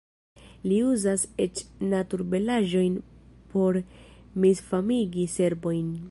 Li uzas eĉ naturbelaĵojn por misfamigi serbojn.